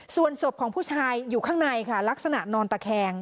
ส่วนศพของผู้ชายอยู่ข้างในค่ะลักษณะนอนตะแคง